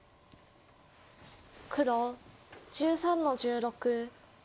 黒１３の十六。